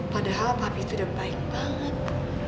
padahal papi itu udah baik banget